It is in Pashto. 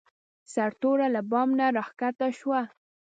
سرتوره له بام نه راکښته شوه.